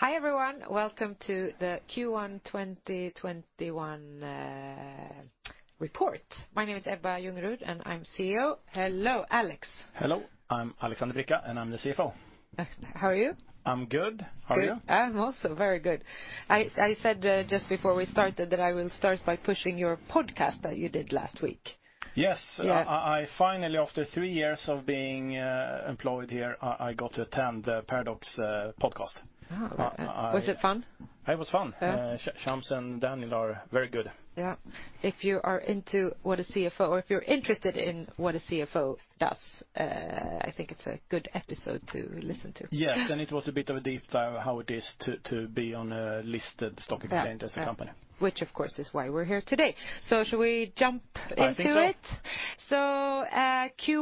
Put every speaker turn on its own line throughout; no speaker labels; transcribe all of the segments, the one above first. Hi, everyone. Welcome to the Q1 2021 report. My name is Ebba Ljungerud, and I'm CEO. Hello, Alex.
Hello. I'm Alexander Bricca, and I'm the CFO.
How are you?
I'm good. How are you?
Good. I'm also very good. I said just before we started that I will start by pushing your podcast that you did last week.
Yes.
Yeah.
I finally, after three years of being employed here, I got to attend Paradox podcast.
Oh, okay. Was it fun?
It was fun.
Yeah.
Shams and Daniel are very good.
Yeah. If you are into what a CFO, or if you're interested in what a CFO does, I think it's a good episode to listen to.
Yes. It was a bit of a deep dive how it is to be on a listed stock exchange-
Yeah.
-as a company.
Which, of course, is why we're here today. Shall we jump into it?
I think so.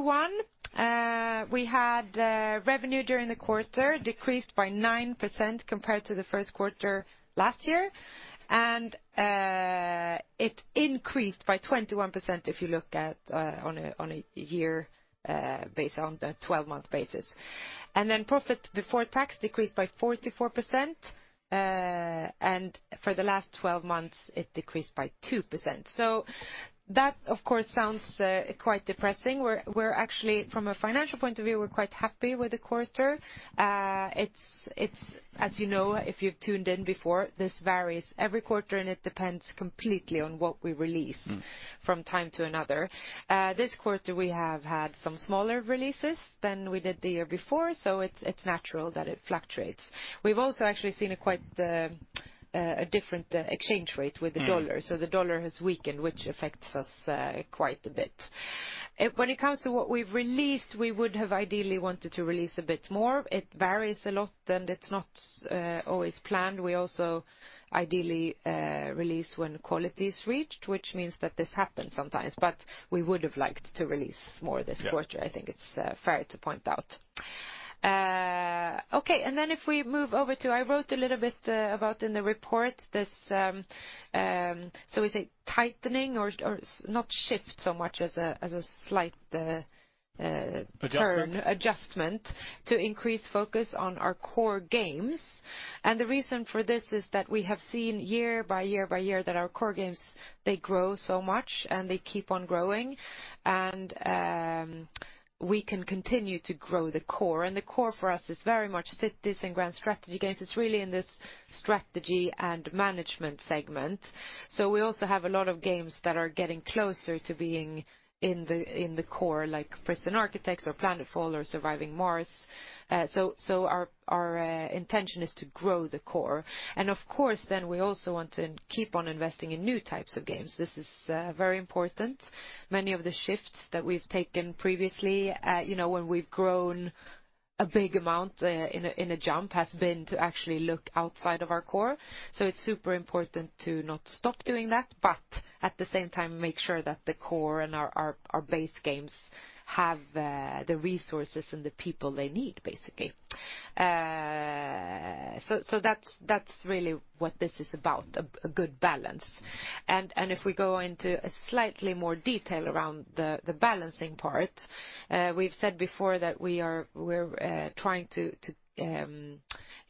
Q1, we had revenue during the quarter decreased by 9% compared to the first quarter last year, and it increased by 21% if you look at on a year-based, on the 12-month basis. Profit before tax decreased by 44%, and for the last 12 months it decreased by 2%. That, of course, sounds quite depressing. We're actually, from a financial point of view, we're quite happy with the quarter. As you know, if you've tuned in before, this varies every quarter, and it depends completely on what we release from time to another. This quarter we have had some smaller releases than we did the year before, so it's natural that it fluctuates. We've also actually seen a quite different exchange rate with the U.S. dollar. The dollar has weakened, which affects us quite a bit. When it comes to what we have released, we would have ideally wanted to release a bit more. It varies a lot, and it is not always planned. We also ideally release when quality is reached, which means that this happens sometimes, but we would have liked to release more this quarter.
Yeah.
I think it's fair to point out. Okay. If we move over to, I wrote a little bit about in the report this, shall we say, tightening, or not shift so much as a slight-
Adjustment?
-term, adjustment to increase focus on our core games. The reason for this is that we have seen year by year that our core games, they grow so much, and they keep on growing, and we can continue to grow the core. The core for us is very much cities and grand strategy games. It's really in this strategy and management segment. We also have a lot of games that are getting closer to being in the core, like Prison Architect or Planetfall or Surviving Mars. Our intention is to grow the core. Of course, we also want to keep on investing in new types of games. This is very important. Many of the shifts that we've taken previously, when we've grown a big amount in a jump has been to actually look outside of our core. It's super important to not stop doing that, but at the same time, make sure that the core and our base games have the resources and the people they need, basically. That's really what this is about, a good balance. If we go into slightly more detail around the balancing part, we've said before that we're trying to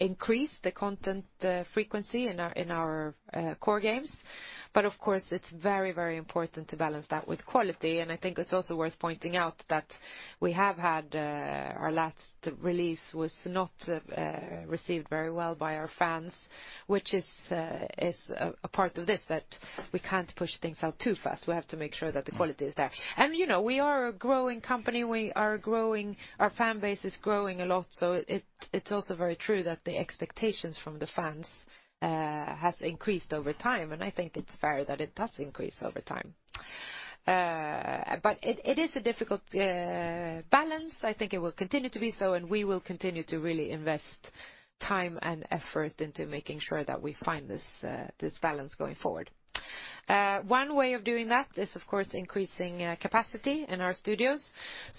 increase the content frequency in our core games. Of course, it's very important to balance that with quality, and I think it's also worth pointing out that we have had our last release was not received very well by our fans, which is a part of this, that we can't push things out too fast. We have to make sure that the quality is there. We are a growing company. We are growing, our fan base is growing a lot. It's also very true that the expectations from the fans has increased over time. I think it's fair that it does increase over time. It is a difficult balance. I think it will continue to be so. We will continue to really invest time and effort into making sure that we find this balance going forward. One way of doing that is, of course, increasing capacity in our studios.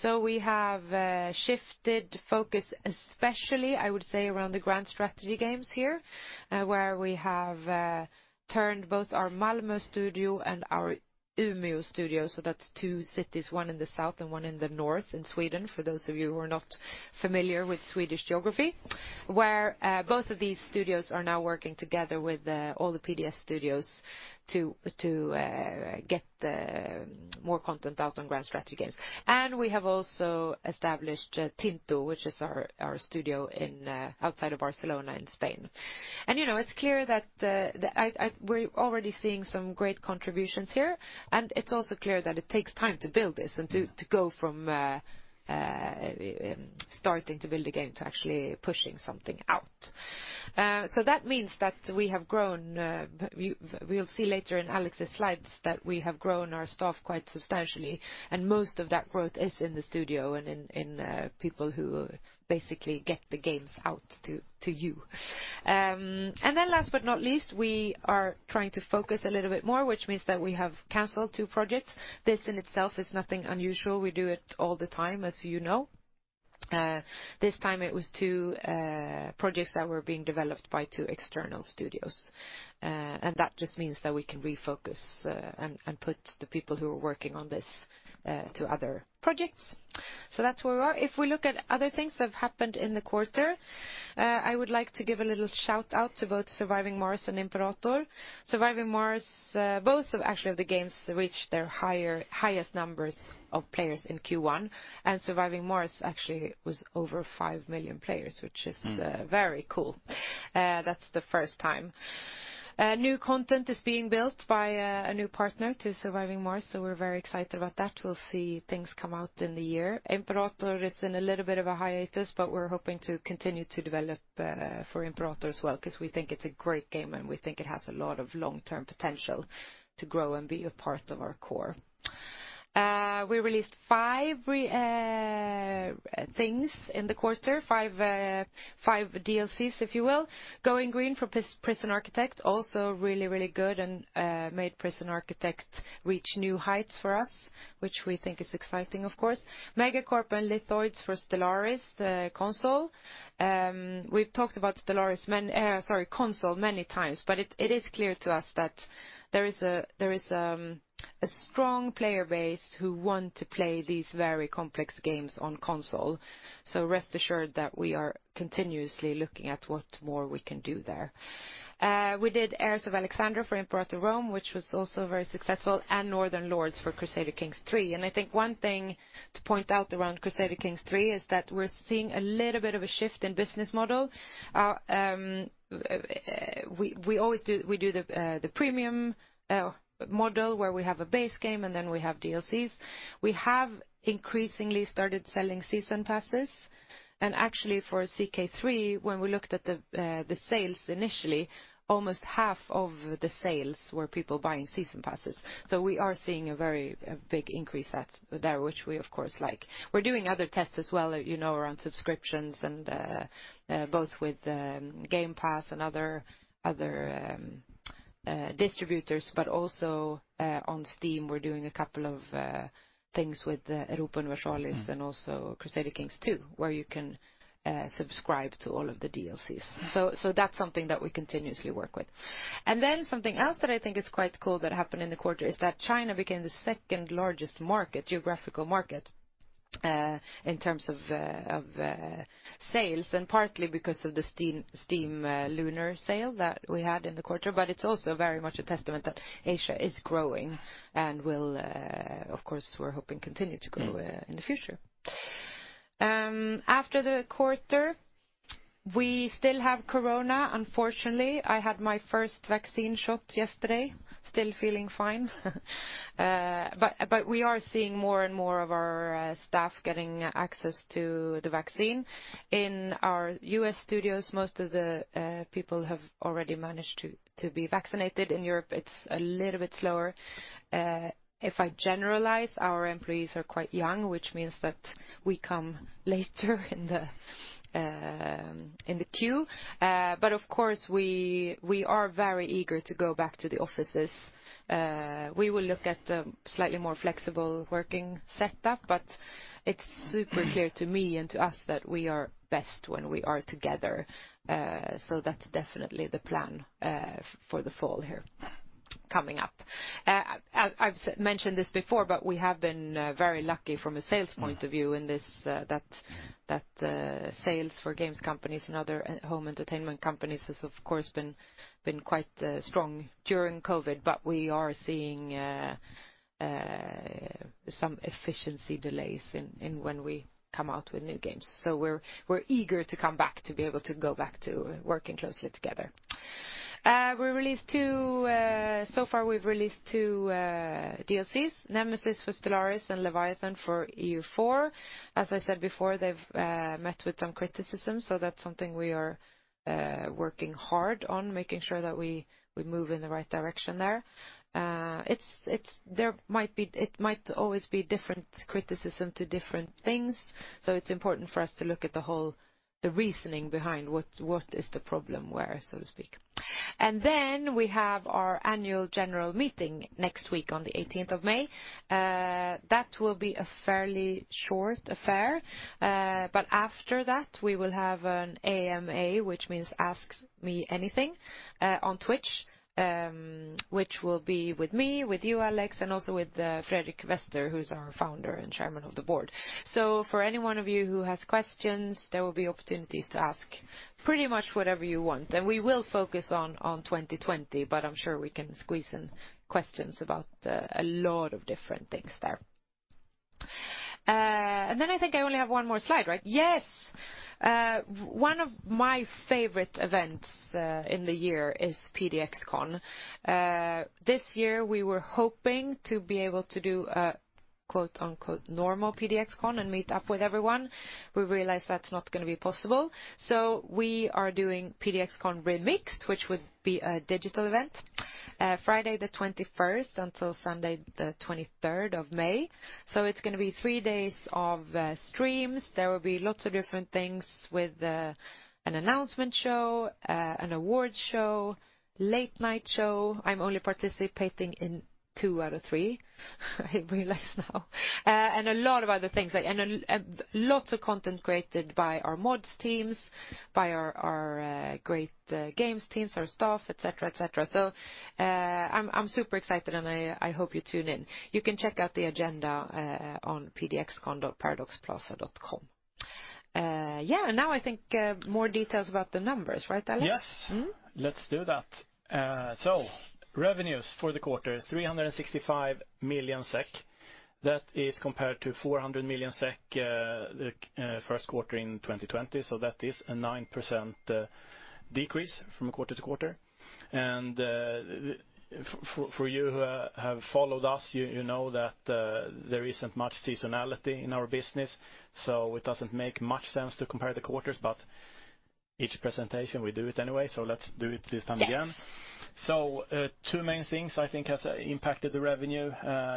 We have shifted focus, especially, I would say, around the grand strategy games here, where we have turned both our Malmö Studio and our Umeå Studio, so that's two cities, one in the south and one in the north in Sweden, for those of you who are not familiar with Swedish geography, where both of these studios are now working together with all the PDS studios to get more content out on grand strategy games. We have also established Tinto, which is our studio outside of Barcelona in Spain. It's clear that we're already seeing some great contributions here, and it's also clear that it takes time to build this, and to go from starting to build a game to actually pushing something out. That means that we have grown, we'll see later in Alex's slides that we have grown our staff quite substantially, and most of that growth is in the studio and in people who basically get the games out to you. Last but not least, we are trying to focus a little bit more, which means that we have canceled two projects. This in itself is nothing unusual. We do it all the time, as you know. This time it was two projects that were being developed by two external studios. That just means that we can refocus and put the people who are working on this to other projects. That's where we are. If we look at other things that have happened in the quarter, I would like to give a little shout-out to both "Surviving Mars" and "Imperator." "Surviving Mars," both actually of the games, reached their highest numbers of players in Q1, and "Surviving Mars" actually was over 5 million players, which is very cool. That's the first time. New content is being built by a new partner to "Surviving Mars," so we're very excited about that. We'll see things come out in the year. "Imperator" is in a little bit of a hiatus, but we're hoping to continue to develop for "Imperator" as well, because we think it's a great game and we think it has a lot of long-term potential to grow and be a part of our core. We released five things in the quarter, five DLCs, if you will. Going Green" for "Prison Architect," also really, really good and made "Prison Architect" reach new heights for us, which we think is exciting, of course. "MegaCorp" and "Lithoids" for "Stellaris" console. We've talked about "Stellaris," sorry, console many times, but it is clear to us that there is a strong player base who want to play these very complex games on console. Rest assured that we are continuously looking at what more we can do there. We did "Heirs of Alexander" for "Imperator: Rome," which was also very successful, and "Northern Lords" for "Crusader Kings III." I think one thing to point out around "Crusader Kings III" is that we're seeing a little bit of a shift in business model. We do the premium model where we have a base game and then we have DLCs. We have increasingly started selling season passes. Actually for CK3, when we looked at the sales initially, almost half of the sales were people buying season passes. We are seeing a very big increase there, which we of course like. We're doing other tests as well around subscriptions and both with Game Pass and other distributors, but also on Steam, we're doing a couple of things with Europa Universalis and also Crusader Kings II, where you can subscribe to all of the DLCs. That's something that we continuously work with. Something else that I think is quite cool that happened in the quarter is that China became the second-largest geographical market in terms of sales, partly because of the Steam Lunar sale that we had in the quarter. It's also very much a testament that Asia is growing and will, of course, we're hoping continue to grow in the future. After the quarter, we still have corona, unfortunately. I had my first vaccine shot yesterday, still feeling fine. We are seeing more and more of our staff getting access to the vaccine. In our U.S. studios, most of the people have already managed to be vaccinated. In Europe, it's a little bit slower. If I generalize, our employees are quite young, which means that we come later in the queue. Of course, we are very eager to go back to the offices. We will look at a slightly more flexible working setup, but it's super clear to me and to us that we are best when we are together. That's definitely the plan for the fall here coming up. I've mentioned this before, but we have been very lucky from a sales point of view in this, that sales for games companies and other home entertainment companies has, of course, been quite strong during COVID, but we are seeing some efficiency delays in when we come out with new games. We're eager to come back to be able to go back to working closely together. So far, we've released two DLCs, "Nemesis" for "Stellaris" and "Leviathan" for "EU4." As I said before, they've met with some criticism, so that's something we are working hard on making sure that we move in the right direction there. It might always be different criticism to different things, so it's important for us to look at the reasoning behind what is the problem where, so to speak. Then we have our annual general meeting next week on the 18th of May. That will be a fairly short affair. After that, we will have an AMA, which means Ask Me Anything on Twitch, which will be with me, with you, Alex, and also with Fredrik Wester, who is our Founder and Chairman of the Board. For any one of you who has questions, there will be opportunities to ask pretty much whatever you want. We will focus on 2020, but I am sure we can squeeze in questions about a lot of different things there. Then I think I only have one more slide. Yes. One of my favorite events in the year is PDXCON. This year, we were hoping to be able to do a "normal" PDXCON and meet up with everyone. We realized that's not going to be possible. We are doing PDXCON Remixed, which would be a digital event Friday the 21st until Sunday the 23rd of May. It's going to be three days of streams. There will be lots of different things with an announcement show, an awards show, late-night show. I'm only participating in two out of three, I realize now, and a lot of other things. Lots of content created by our mods teams, by our great games teams, our staff, et cetera. I'm super excited, and I hope you tune in. You can check out the agenda on pdxcon.paradoxplaza.com. Yeah, now I think more details about the numbers, right, Alex?
Yes. Let's do that. Revenues for the quarter, 365 million SEK. That is compared to 400 million SEK the first quarter in 2020, that is a 9% decrease from quarter to quarter. For you who have followed us, you know that there isn't much seasonality in our business, it doesn't make much sense to compare the quarters. Each presentation, we do it anyway, let's do it this time again.
Yes.
Two main things, I think, has impacted the revenue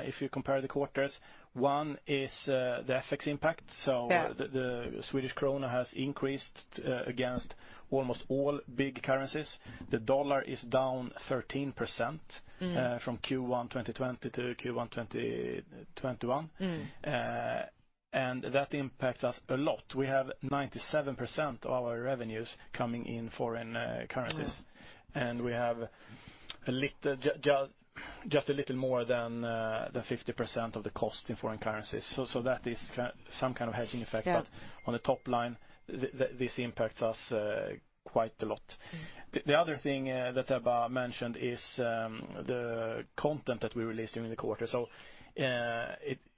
if you compare the quarters. One is the FX impact.
Yeah.
The Swedish krona has increased against almost all big currencies. The U.S. dollar is down 13% from Q1 2020 to Q1 2021. That impacts us a lot. We have 97% of our revenues coming in foreign currencies. We have just a little more than 50% of the cost in foreign currencies. That is some kind of hedging effect.
Yeah.
On the top line, this impacts us quite a lot. The other thing that Ebba mentioned is the content that we released during the quarter.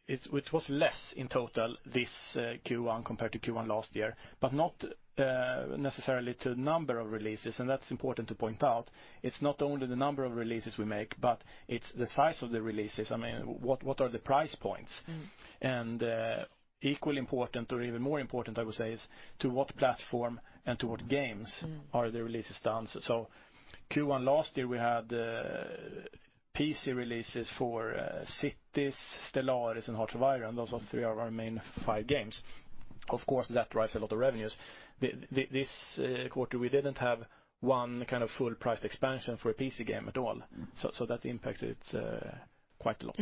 It was less in total this Q1 compared to Q1 last year, but not necessarily to number of releases, and that's important to point out. It's not only the number of releases we make, but it's the size of the releases. I mean, what are the price points? Equally important or even more important, I would say, is to what platform and to what games are the releases done? Q1 last year, we had PC releases for Cities, Stellaris, and Hearts of Iron. Those are three of our main five games. Of course, that drives a lot of revenues. This quarter, we didn't have one full-priced expansion for a PC game at all. That impacted quite a lot.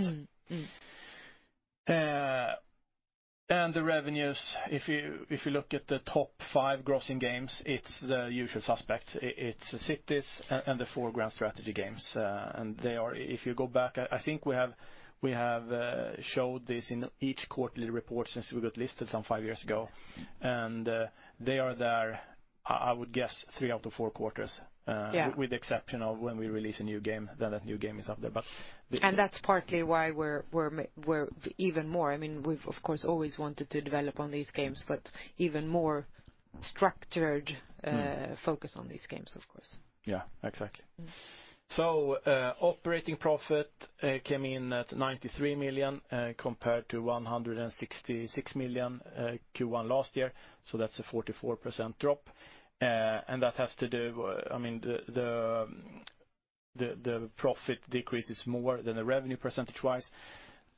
The revenues, if you look at the top five grossing games, it's the usual suspects. It's the Cities and the four Grand Strategy games. If you go back, I think we have showed this in each quarterly report since we got listed some five years ago, and they are there, I would guess, three out of four quarters-
Yeah.
-with the exception of when we release a new game, then that new game is up there.
That's partly why we've, of course, always wanted to develop on these games, but even more structured focus on these games, of course.
Yeah, exactly. Operating profit came in at 93 million, compared to 166 million Q1 last year, so that's a 44% drop. That has to do- the profit decrease is more than the revenue percentage-wise.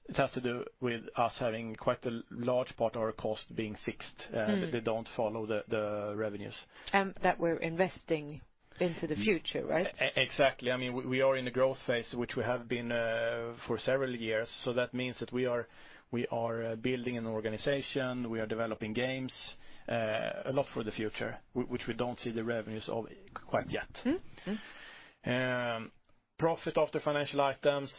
It has to do with us having quite a large part of our cost being fixed. They don't follow the revenues.
That we're investing into the future, right?
Exactly. We are in a growth phase, which we have been for several years. That means that we are building an organization, we are developing games, a lot for the future, which we don't see the revenues of quite yet. Profit after financial items,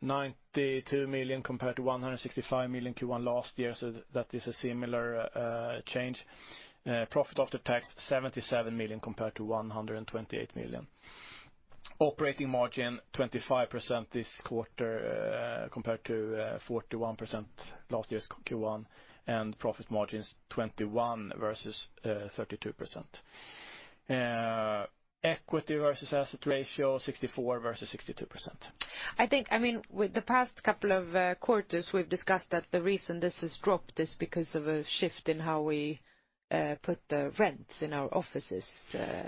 92 million compared to 165 million Q1 last year, so that is a similar change. Profit after tax, 77 million compared to 128 million. Operating margin, 25% this quarter compared to 41% last year's Q1, and profit margin is 21% versus 32%. Equity versus asset ratio, 64% versus 62%.
With the past couple of quarters, we've discussed that the reason this has dropped is because of a shift in how we put the rents in our offices-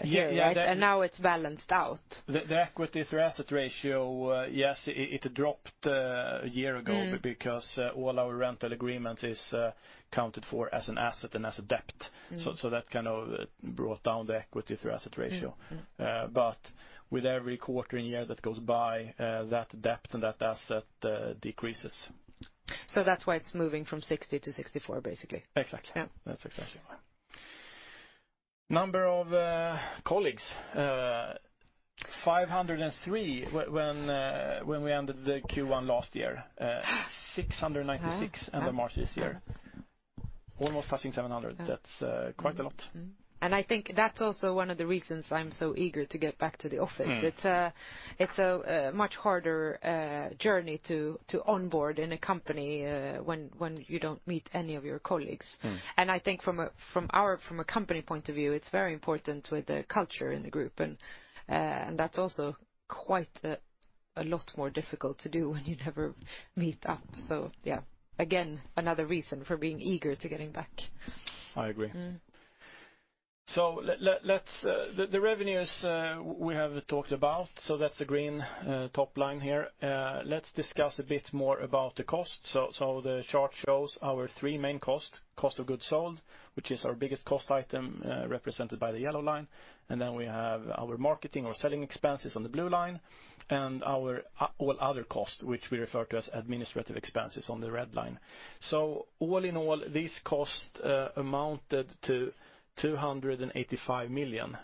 Yeah.
-right? Now it's balanced out.
The equity through asset ratio, yes, it dropped a year ago becasue all our rental agreement is counted for as an asset and as a debt. That kind of brought down the equity through asset ratio. With every quarter and year that goes by, that debt and that asset decreases.
That's why it's moving from 60% to 64%, basically.
Exactly.
Yeah.
That's exactly why. Number of colleagues, 503 when we ended the Q1 last year. 696 end of March this year. Almost touching 700. That's quite a lot.
I think that's also one of the reasons I'm so eager to get back to the office. It's a much harder journey to onboard in a company when you don't meet any of your colleagues. I think from a company point of view, it's very important with the culture in the group, and that's also quite a lot more difficult to do when you never meet up. Yeah, again, another reason for being eager to getting back.
I agree. The revenues we have talked about, that's the green top line here. Let's discuss a bit more about the cost. The chart shows our three main costs, cost of goods sold, which is our biggest cost item represented by the yellow line, then we have our marketing or selling expenses on the blue line, and all other costs, which we refer to as administrative expenses on the red line. All in all, these costs amounted to 285 million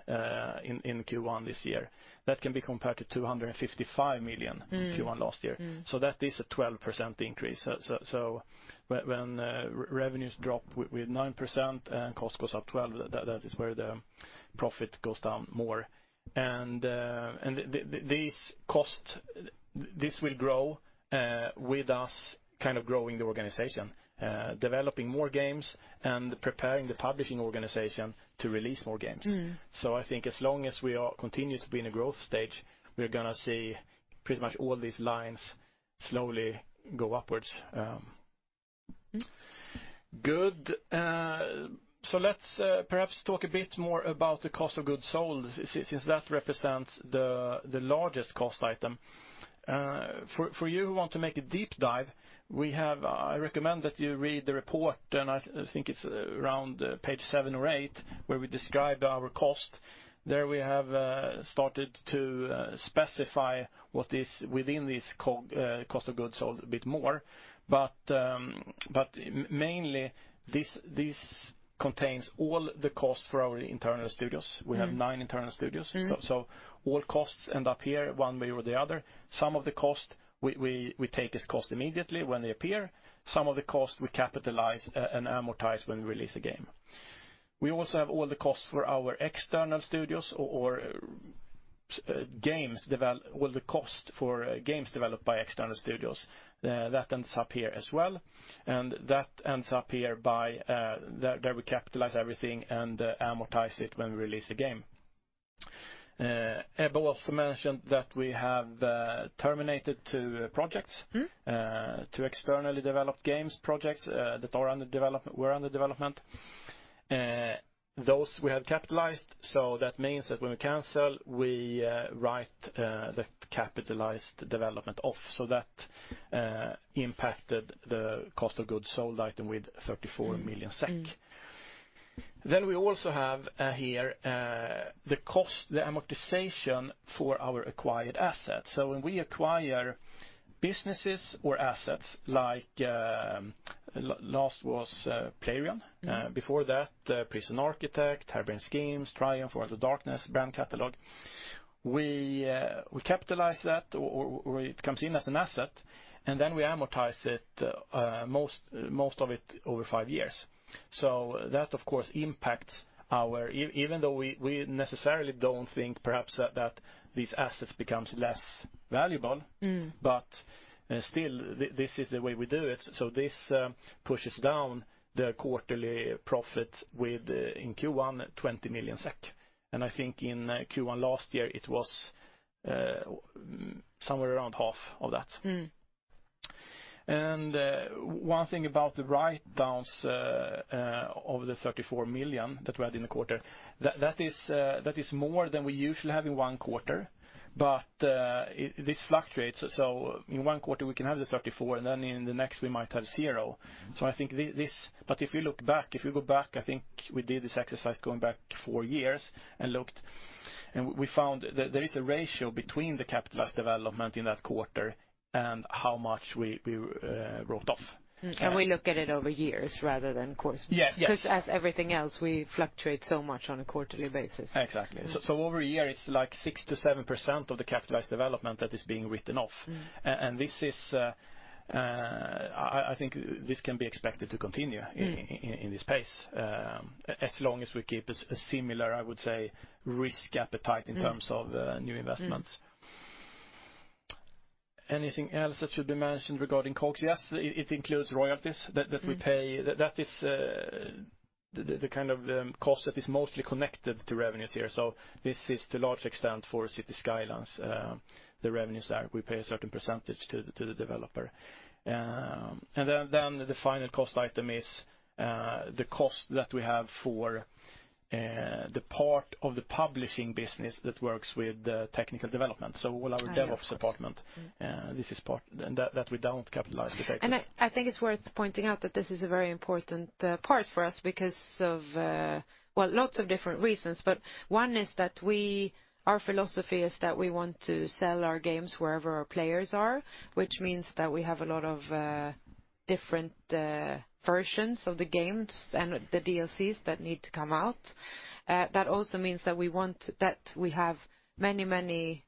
in Q1 this year. That can be compared to 255 million in Q1 last year. That is a 12% increase. When revenues drop with 9% and cost goes up 12%, that is where the profit goes down more. These costs, this will grow with us kind of growing the organization, developing more games and preparing the publishing organization to release more games. I think as long as we continue to be in a growth stage, we are going to see pretty much all these lines slowly go upwards. Good. Let's perhaps talk a bit more about the cost of goods sold, since that represents the largest cost item. For you who want to make a deep dive, I recommend that you read the report, and I think it's around page 7 or 8 where we describe our cost. There we have started to specify what is within this cost of goods sold a bit more. Mainly, this contains all the costs for our internal studios. We have nine internal studios. All costs end up here one way or the other. Some of the cost we take as cost immediately when they appear. Some of the cost we capitalize and amortize when we release a game. We also have all the costs for our external studios or games developed by external studios. That ends up here as well, and there we capitalize everything and amortize it when we release a game. Ebba also mentioned that we have terminated two projects. Two externally developed games projects that were under development. Those we have capitalized, that means that when we cancel, we write the capitalized development off. That impacted the cost of goods sold item with 34 million SEK. We also have here the cost, the amortization for our acquired assets. When we acquire businesses or assets like, last was Playrion. Before that, Prison Architect, Harebrained Schemes, Triumph, World of Darkness brand catalog. We capitalize that, or it comes in as an asset, and then we amortize it, most of it over five years. That, of course, impacts our even though we necessarily don't think perhaps that these assets becomes less valuable, but still this is the way we do it. This pushes down the quarterly profit with, in Q1, 20 million SEK. I think in Q1 last year, it was somewhere around half of that. One thing about the writedowns of the 34 million that we had in the quarter, that is more than we usually have in one quarter. This fluctuates. In one quarter we can have the 34, and then in the next we might have zero. I think this. If you look back, if you go back, I think we did this exercise going back four years and looked, and we found there is a ratio between the capitalized development in that quarter and how much we wrote off.
We look at it over years rather than quarters.
Yes.
As everything else, we fluctuate so much on a quarterly basis.
Exactly. Over a year, it's like 6%-7% of the capitalized development that is being written off. I think this can be expected to continue in this pace, as long as we keep a similar, I would say, risk appetite in terms of new investments. Anything else that should be mentioned regarding COGS? Yes, it includes royalties that we pay. That is the kind of cost that is mostly connected to revenues here. This is to a large extent for Cities: Skylines, the revenues there. We pay a certain percentage to the developer. The final cost item is the cost that we have for the part of the publishing business that works with technical development, so all our-
Oh, yes.
-DevOps department that we don't capitalize.
I think it's worth pointing out that this is a very important part for us because of, well, lots of different reasons. One is that our philosophy is that we want to sell our games wherever our players are, which means that we have a lot of different versions of the games and the DLCs that need to come out. That also means that we have many, many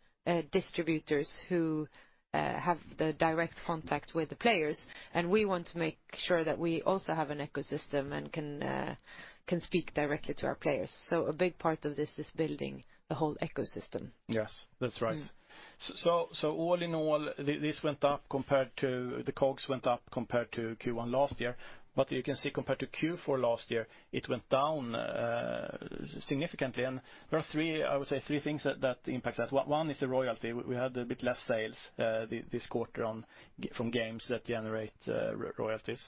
distributors who have the direct contact with the players, and we want to make sure that we also have an ecosystem and can speak directly to our players. A big part of this is building the whole ecosystem.
Yes, that's right. All in all, the COGS went up compared to Q1 last year. You can see compared to Q4 last year, it went down significantly. There are three things that impact that. One is the royalty. We had a bit less sales this quarter from games that generate royalties.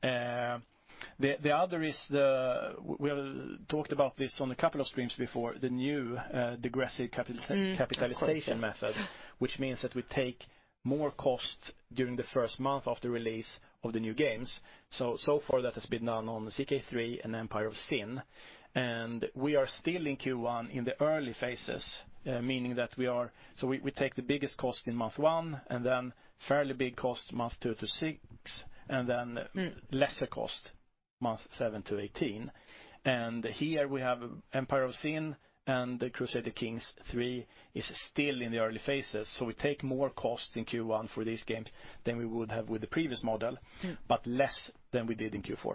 The other is, we have talked about this on a couple of streams before, the new degressive capital-
Of course.
-capitalization method, which means that we take more cost during the first month after release of the new games. So far that has been done on CK3 and Empire of Sin. We are still in Q1 in the early phases, meaning that we take the biggest cost in month one, then fairly big cost month two to six. Then lesser cost month 7-18. Here we have Empire of Sin and Crusader Kings III is still in the early phases, so we take more costs in Q1 for these games than we would have with the previous model, but less than we did in Q4.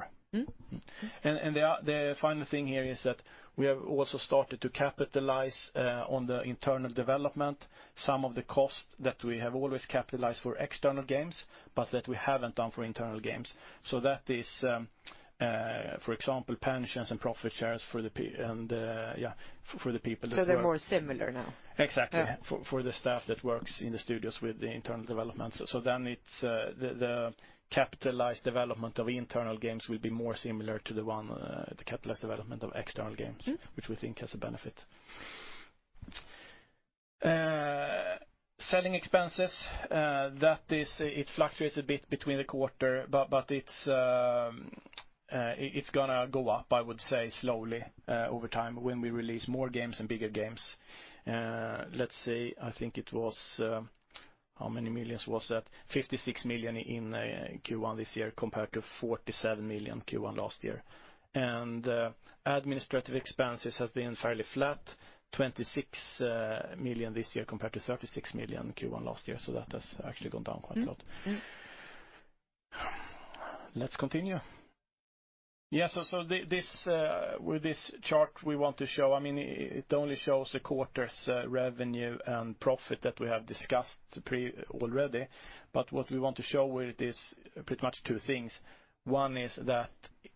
The final thing here is that we have also started to capitalize on the internal development some of the costs that we have always capitalized for external games, but that we haven't done for internal games. That is, for example, pensions and profit shares for the people that work.
They're more similar now.
Exactly.
Yeah.
For the staff that works in the studios with the internal development. The capitalized development of internal games will be more similar to the capitalized development of external games, which we think has a benefit. Selling expenses, it fluctuates a bit between the quarter, but it is going to go up, I would say, slowly over time when we release more games and bigger games. Let's see, I think it was- How many millions was that? 56 million in Q1 this year, compared to 47 million Q1 last year. Administrative expenses have been fairly flat, 26 million this year compared to 36 million Q1 last year. That has actually gone down quite a lot. Let's continue. Yeah, with this chart, we want to show- it only shows a quarter's revenue and profit that we have discussed already. What we want to show with it is pretty much two things. One is that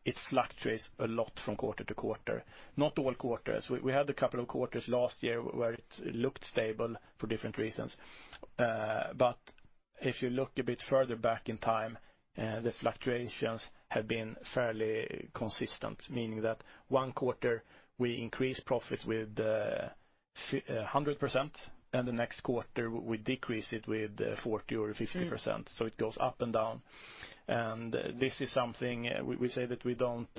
it fluctuates a lot from quarter to quarter. Not all quarters. We had a couple of quarters last year where it looked stable for different reasons. If you look a bit further back in time, the fluctuations have been fairly consistent, meaning that one quarter we increase profits with 100%, and the next quarter we decrease it with 40% or 50%. It goes up and down. This is something we say that we don't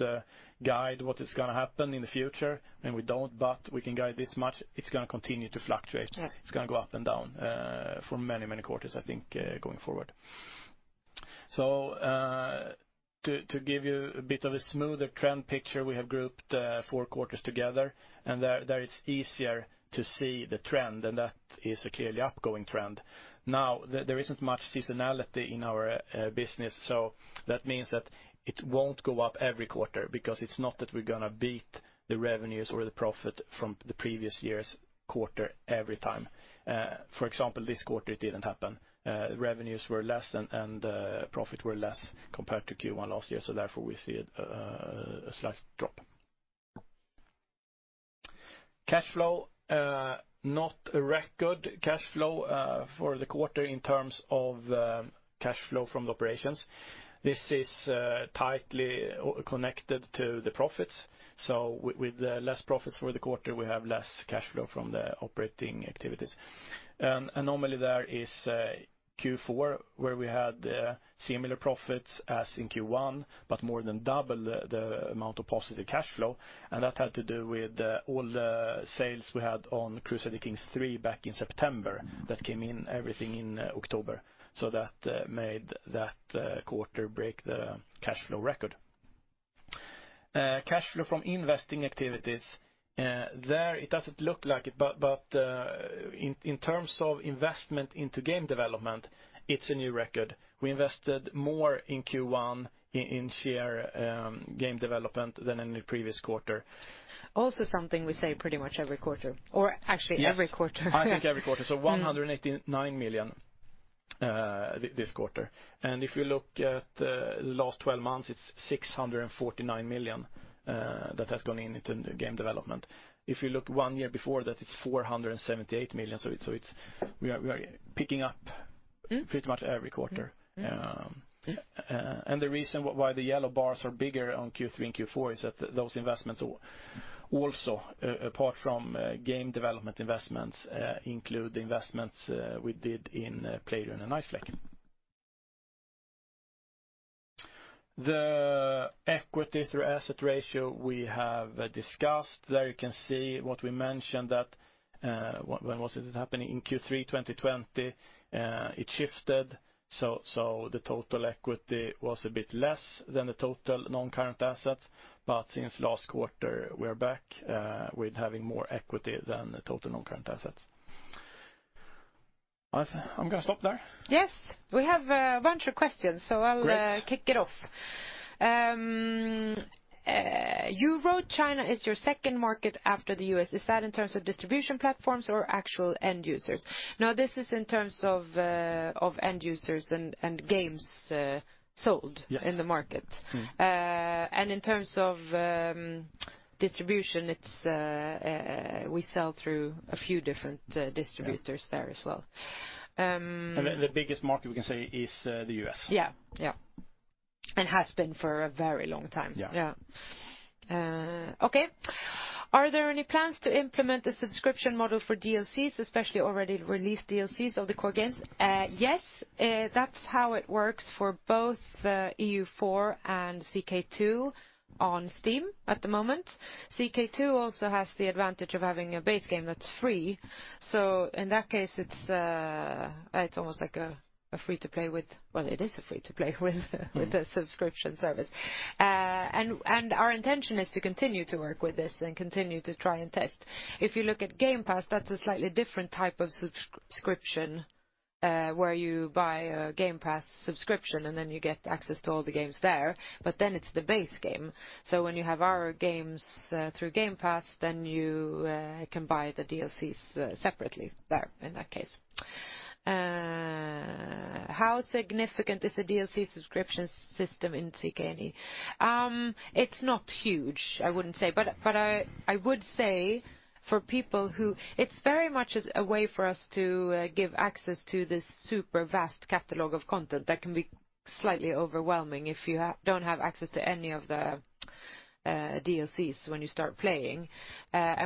guide what is going to happen in the future, and we don't, but we can guide this much. It's going to continue to fluctuate.
Yeah.
It's going to go up and down for many quarters, I think, going forward. To give you a bit of a smoother trend picture, we have grouped four quarters together, and there it's easier to see the trend, and that is a clearly upgoing trend. There isn't much seasonality in our business, so that means that it won't go up every quarter because it's not that we're going to beat the revenues or the profit from the previous year's quarter every time. For example, this quarter it didn't happen. Revenues were less and profit were less compared to Q1 last year, so therefore we see a slight drop. Cash flow, not a record cash flow for the quarter in terms of cash flow from the operations. This is tightly connected to the profits. With less profits for the quarter, we have less cash flow from the operating activities. Normally there is Q4 where we had similar profits as in Q1, but more than double the amount of positive cash flow, and that had to do with all the sales we had on Crusader Kings III back in September that came in everything in October. That made that quarter break the cash flow record. Cash flow from investing activities. There, it doesn't look like it, but in terms of investment into game development, it's a new record. We invested more in Q1 in sheer game development than any previous quarter.
Also, something we say pretty much every quarter, or actually every quarter.
Yes. I think every quarter. 189 million this quarter. If you look at the last 12 months, it's 649 million that has gone into game development. If you look one year before that, it's 478 million. We are picking up pretty much every quarter.
Yeah.
The reason why the yellow bars are bigger on Q3 and Q4 is that those investments also, apart from game development investments, include the investments we did in Playrion and Iceflake Studios. The equity through asset ratio we have discussed. There you can see what we mentioned. When was it happening? In Q3 2020, it shifted. The total equity was a bit less than the total non-current assets. Since last quarter, we are back with having more equity than the total non-current assets. I'm going to stop there.
Yes. We have a bunch of questions.
Great.
I'll kick it off. You wrote China is your second market after the U.S. Is that in terms of distribution platforms or actual end users? No, this is in terms of end users and games sold-
Yes.
-in the market. In terms of distribution, we sell through a few different distributors there as well.
The biggest market we can say is the U.S.
Yeah. It has been for a very long time.
Yes.
Yeah. Okay. Are there any plans to implement a subscription model for DLCs, especially already released DLCs of the core games? Yes, that's how it works for both EU4 and CK2 on Steam at the moment. CK2 also has the advantage of having a base game that's free. In that case, it's almost like a free-to-play with- well, it is a free-to-play with a subscription service. Our intention is to continue to work with this and continue to try and test. If you look at Game Pass, that's a slightly different type of subscription, where you buy a Game Pass subscription and then you get access to all the games there, but then it's the base game. When you have our games through Game Pass, then you can buy the DLCs separately there in that case. How significant is the DLC subscription system in CK2? It's not huge, I wouldn't say, but I would say for people, it's very much a way for us to give access to this super vast catalog of content that can be slightly overwhelming if you don't have access to any of the DLCs when you start playing.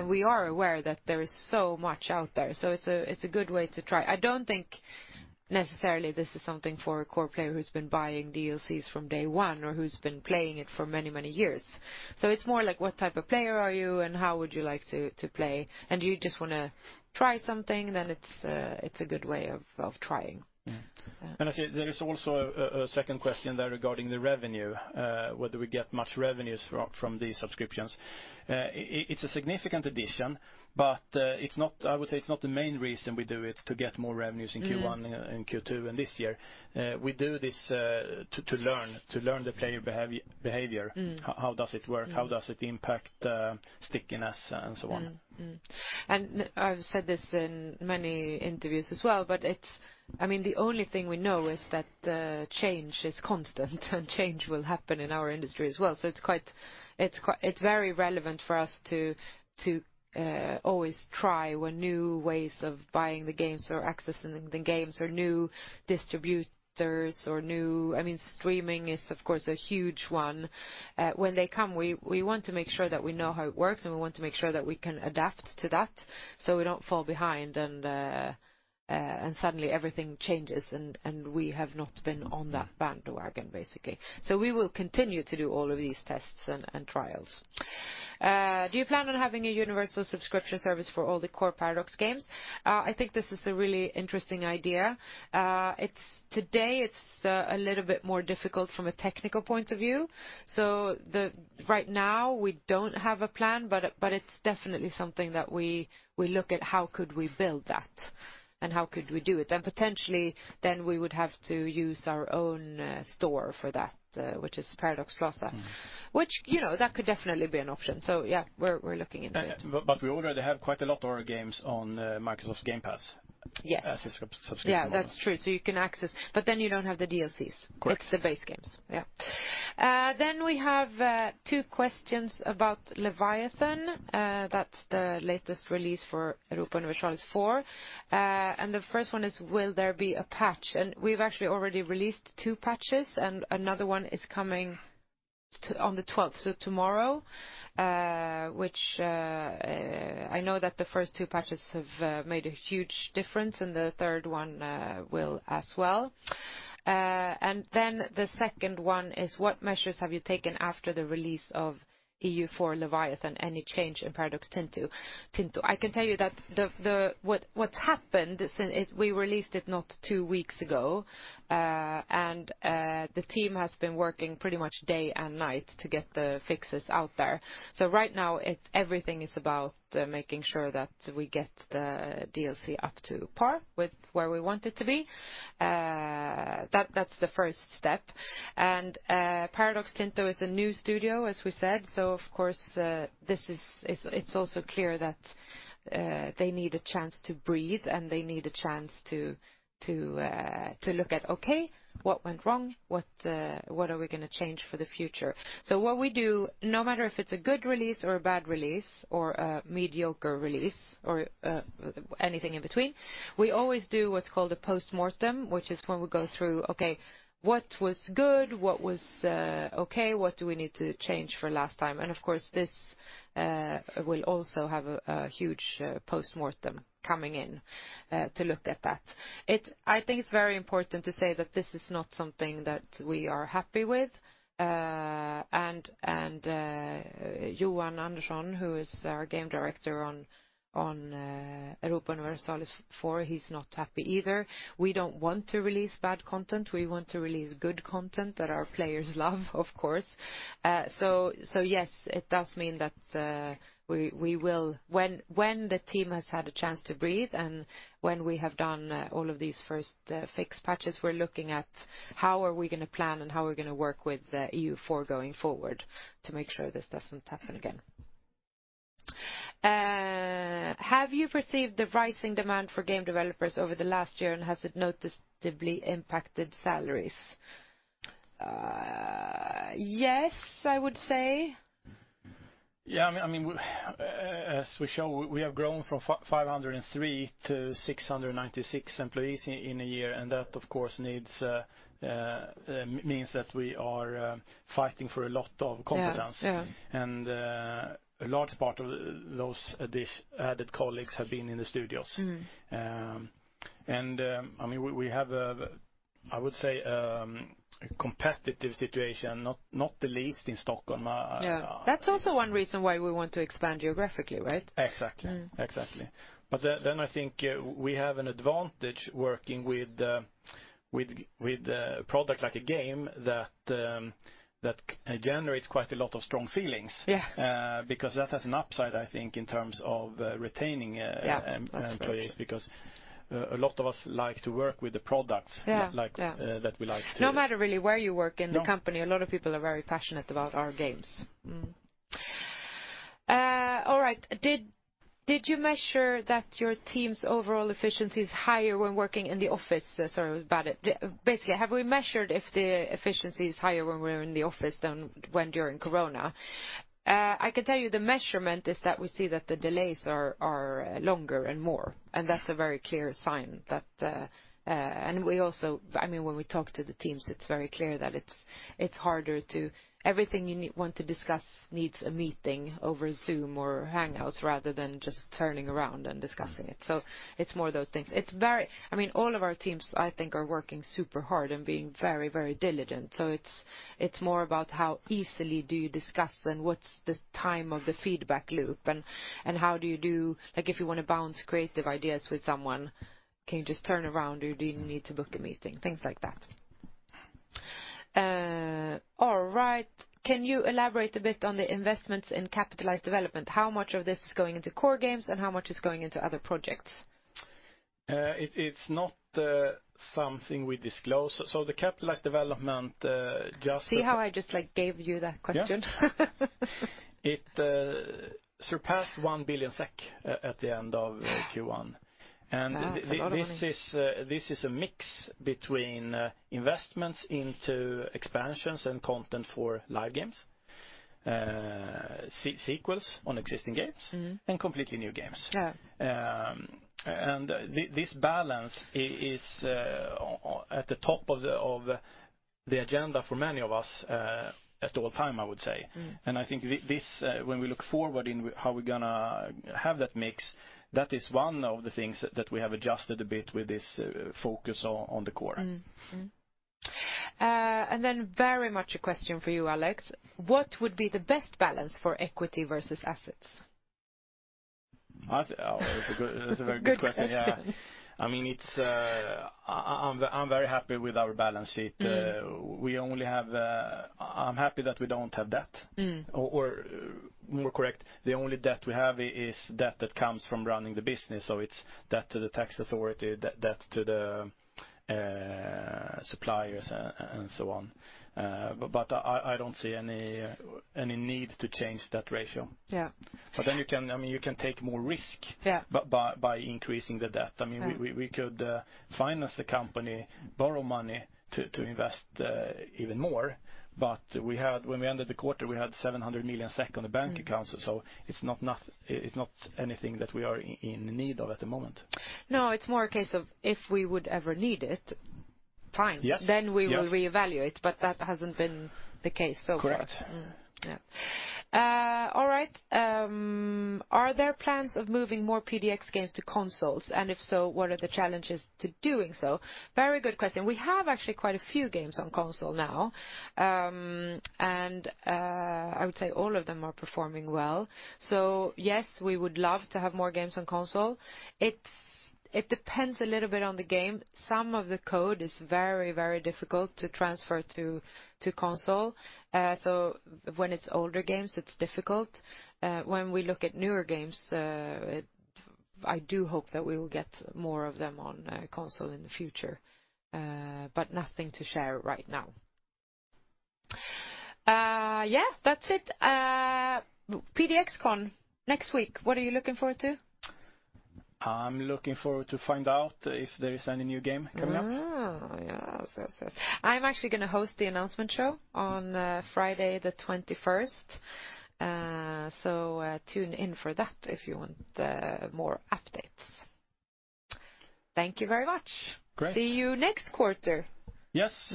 We are aware that there is so much out there, so it's a good way to try. I don't think necessarily this is something for a core player who's been buying DLCs from day one or who's been playing it for many years. It's more like what type of player are you and how would you like to play? Do you just want to try something? Then it's a good way of trying.
I see there is also a second question there regarding the revenue, whether we get much revenues from these subscriptions. It's a significant addition, but I would say it's not the main reason we do it to get more revenues in Q1 and Q2 and this year. We do this to learn the player behavior. How does it work? How does it impact stickiness and so on?
I've said this in many interviews as well, but the only thing we know is that change is constant, and change will happen in our industry as well. It's very relevant for us to always try when new ways of buying the games or accessing the games or new distributors or streaming is of course a huge one. When they come, we want to make sure that we know how it works, and we want to make sure that we can adapt to that so we don't fall behind and suddenly everything changes and we have not been on that bandwagon, basically. We will continue to do all of these tests and trials. Do you plan on having a universal subscription service for all the core Paradox games? I think this is a really interesting idea. Today, it's a little bit more difficult from a technical point of view. Right now we don't have a plan, but it's definitely something that we look at how could we build that and how could we do it. Potentially then we would have to use our own store for that, which is Paradox Plaza, which could definitely be an option. Yeah, we're looking into it.
We already have quite a lot of our games on Microsoft's Game Pass-
Yes.
-as a subscription model.
Yeah, that's true. You can access, but then you don't have the DLCs.
Correct.
It's the base games. Yeah. We have two questions about Leviathan. That's the latest release for Europa Universalis IV. The first one is, will there be a patch? We've actually already released two patches, and another one is coming on the 12th, so tomorrow. Which I know that the first two patches have made a huge difference and the third one will as well. The second one is, what measures have you taken after the release of EU4 Leviathan? Any change in Paradox Tinto? I can tell you that what's happened since we released it not two weeks ago, and the team has been working pretty much day and night to get the fixes out there. Right now, everything is about making sure that we get the DLC up to par with where we want it to be. That's the first step. Paradox Tinto is a new studio, as we said. Of course, it's also clear that they need a chance to breathe and they need a chance to look at, okay, what went wrong? What are we going to change for the future? What we do, no matter if it's a good release or a bad release or a mediocre release or anything in between, we always do what's called a postmortem, which is when we go through, okay, what was good? What was okay? What do we need to change for last time? Of course, this will also have a huge postmortem coming in to look at that. I think it's very important to say that this is not something that we are happy with. Johan Andersson, who is our Game Director on Europa Universalis IV, he's not happy either. We don't want to release bad content. We want to release good content that our players love, of course. Yes, it does mean that when the team has had a chance to breathe and when we have done all of these first fix patches, we're looking at how are we going to plan and how we're going to work with EU4 going forward to make sure this doesn't happen again. Have you received the rising demand for game developers over the last year, and has it noticeably impacted salaries? Yes, I would say.
Yeah. As we show, we have grown from 503 to 696 employees in a year. That, of course, means that we are fighting for a lot of competence.
Yeah.
A large part of those added colleagues have been in the studios. We have, I would say, a competitive situation, not the least in Stockholm.
Yeah. That's also one reason why we want to expand geographically, right?
Exactly. I think we have an advantage working with a product like a game that generates quite a lot of strong feelings.
Yeah.
Because that has an upside, I think, in terms of retaining-
Yeah.
-employees because a lot of us like to work with the products-
Yeah.
-that we like.
No matter really where you work in the company, a lot of people are very passionate about our games. All right. Did you measure that your team's overall efficiency is higher when working in the office? Sorry that was bad. Basically, have we measured if the efficiency is higher when we're in the office than when during corona? I can tell you the measurement is that we see that the delays are longer and more, and that's a very clear sign. We also, when we talk to the teams, it's very clear that it's harder. Everything you want to discuss needs a meeting over Zoom or Hangouts rather than just turning around and discussing it. It's more those things. All of our teams, I think, are working super hard and being very, very diligent. It's more about how easily do you discuss and what's the time of the feedback loop and like if you want to bounce creative ideas with someone, can you just turn around or do you need to book a meeting? Things like that. All right. Can you elaborate a bit on the investments in capitalized development? How much of this is going into core games and how much is going into other projects?
It's not something we disclose. The capitalized development just-
See how I just gave you that question.
Yeah. It surpassed 1 billion SEK at the end of Q1.
Wow, that's a lot of money.
This is a mix between investments into expansions and content for live games, sequels on existing games, and completely new games.
Yeah.
This balance is at the top of the agenda for many of us at all time, I would say. I think when we look forward in how we're going to have that mix, that is one of the things that we have adjusted a bit with this focus on the core.
Mm-hmm. Very much a question for you, Alex: what would be the best balance for equity versus assets?
That's a very good question.
Good question.
Yeah. I'm very happy with our balance sheet. I'm happy that we don't have debt. More correct, the only debt we have is debt that comes from running the business. It's debt to the tax authority, debt to the suppliers, and so on. I don't see any need to change that ratio.
Yeah.
You can take more risk-
Yeah.
-by increasing the debt.
Yeah.
We could finance the company, borrow money to invest even more, but when we ended the quarter, we had 700 million SEK on the bank account. It's not anything that we are in need of at the moment.
No, it's more a case of if we would ever need it, fine.
Yes.
Then we will reevaluate, but that hasn't been the case so far.
Correct.
Mm-hmm. Yeah. All right. Are there plans of moving more PDX games to consoles? If so, what are the challenges to doing so? Very good question. We have actually quite a few games on console now, and I would say all of them are performing well. Yes, we would love to have more games on console. It depends a little bit on the game. Some of the code is very, very difficult to transfer to console. When it's older games, it's difficult. When we look at newer games, I do hope that we will get more of them on console in the future. Nothing to share right now. Yeah, that's it. PDXCon next week, what are you looking forward to?
I'm looking forward to find out if there is any new game coming up.
Oh, yes. I'm actually going to host the announcement show on Friday the 21st. Tune in for that if you want more updates. Thank you very much.
Great.
See you next quarter-
Yes.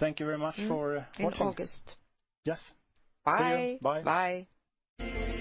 Thank you very much for watching.
-in August.
Yes.
Bye.
See you. Bye.
Bye.